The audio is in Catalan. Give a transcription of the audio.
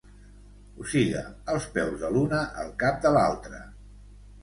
O siga, els peus de l’una al cap de l’altra.